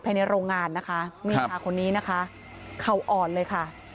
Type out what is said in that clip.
ภายในโรงงานนะคะนี่ค่ะคนนี้นะคะเขาอ่อนเลยค่ะ